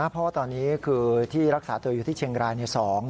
เพราะว่าตอนนี้คือที่รักษาตัวอยู่ที่เชียงราย